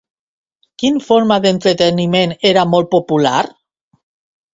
Quin forma d'entreteniment era molt popular?